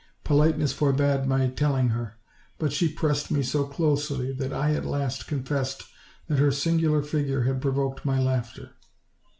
Politeness forbade my telling her; but she pressed me so closely that I at last confessed that her singular figure had provoked my laughter.